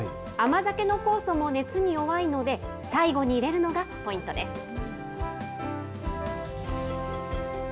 甘酒の酵素も熱に弱いので、最後に入れるのがポイントです。